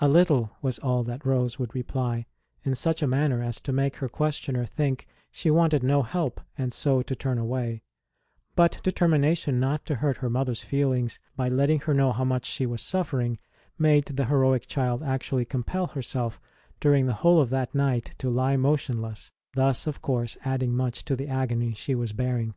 A little, was all that Rose would reply, in such a manner as to make her questioner think she wanted no help and so to turn away ; but determination not to hurt her mother s feelings by letting her know how much she was suffering made the heroic child actually compel herself during the whole of that night to lie motionless, thus, of course, adding much to the agony she was bearing.